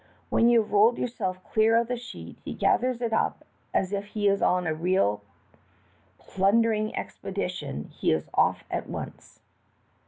When you have rolled ^^ourself clear of the sheet he gathers it up, and if he is on a real plun dering expedition he is off at once.